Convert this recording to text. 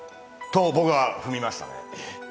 と僕は踏みましたね。